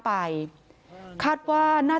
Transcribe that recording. ศพที่สอง